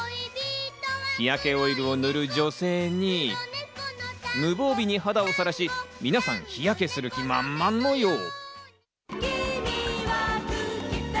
日焼けオイルを塗る女性に、無防備に肌を晒し、皆さん、日焼けする気満々のよう。